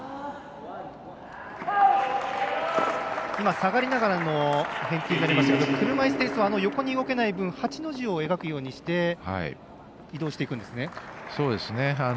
下がりながらの返球になりましたが車いすテニスは横に動けない分８の字を描くようにして移動していくんですね。